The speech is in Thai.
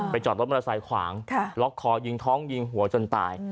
จอดรถมอเตอร์ไซค์ขวางล็อกคอยิงท้องยิงหัวจนตาย